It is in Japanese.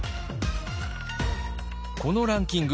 このランキング